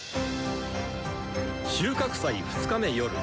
収穫祭２日目夜。